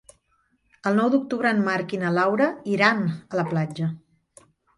El nou d'octubre en Marc i na Laura iran a la platja.